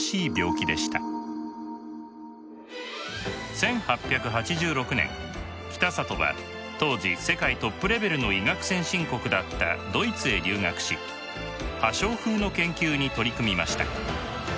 １８８６年北里は当時世界トップレベルの医学先進国だったドイツへ留学し破傷風の研究に取り組みました。